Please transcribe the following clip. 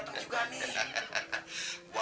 pak haji datang juga